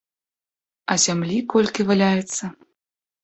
А зямлі колькі валяецца!